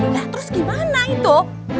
lah terus gimana itu